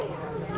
sebentar aja ini